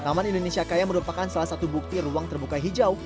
taman indonesia kaya merupakan salah satu bukti ruang terbuka hijau